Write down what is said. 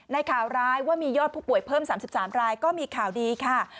ข่าวร้ายว่ามียอดผู้ป่วยเพิ่ม๓๓รายก็มีข่าวดีค่ะ